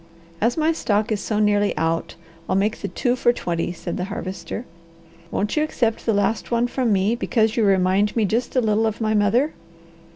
"As my stock is so nearly out, I'll make the two for twenty," said the Harvester. "Won't you accept the last one from me, because you remind me just a little of my mother?"